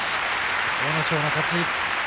阿武咲の勝ち。